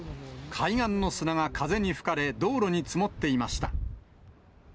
海岸の砂が風に吹かれ、道路に積もっていました。